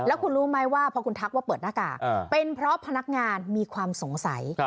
แล้วคุณรู้ไหมว่าพอคุณทักว่าเปิดหน้ากากเป็นเพราะพนักงานมีความสงสัย